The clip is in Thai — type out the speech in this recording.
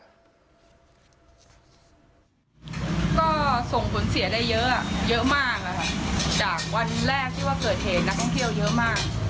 ก็ส่งผลเสียได้เยอะเยอะมากนะคะจากวันแรกที่ว่าเกิดเหตุนักท่องเที่ยวเยอะมาก